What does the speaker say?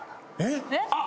あっ！